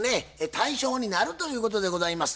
対象になるということでございます。